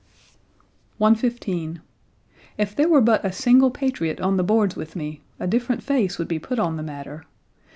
]) 115. "If there were but a single patriot on the boards with me, a different face would be put on the matter.